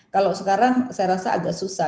kalau sekarang saya rasa agak susah